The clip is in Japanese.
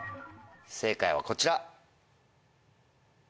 正解はこちら。